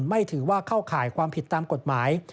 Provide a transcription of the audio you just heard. ไม่ถือว่าเข้าข่ายความผิดตามกฎหมาย